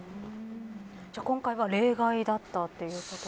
今回は例外だったということ。